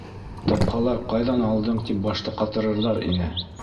Тапһалар, ҡайҙан алдың, тип башты ҡатырырҙар ине.